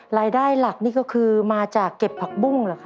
รายได้หลักนี่ก็คือมาจากเก็บผักบุ้งเหรอครับ